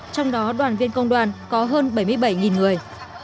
trong đó đoàn viên công đoàn có hơn bảy mươi bảy người